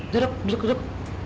duduk duduk duduk